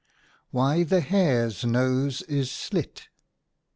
WHY THE HARE'S NOSE IS SLIT.